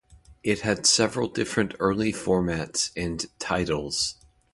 It had several different early formats and titles.